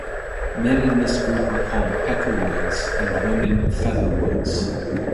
Men in this group are called "peckerwoods" and women "featherwoods".